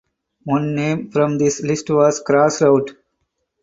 One name from this list was crossed out.